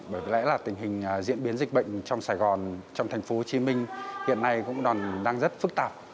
bởi lẽ là tình hình diễn biến dịch bệnh trong sài gòn trong tp hcm hiện nay cũng đang rất phức tạp